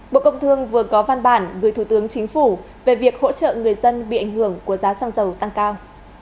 bộ công thương vừa có văn bản gửi thủ tướng chính phủ về việc hỗ trợ người dân bị ảnh hưởng của giá xăng dầu tăng cao